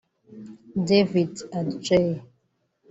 David Adjaye